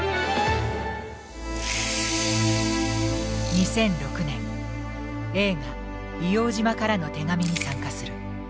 ２００６年映画「硫黄島からの手紙」に参加する。